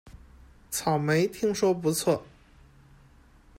草莓听说不错